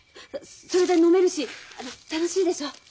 それで飲めるしあの楽しいでしょ？